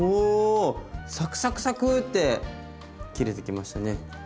サクサクサクって切れてきましたね。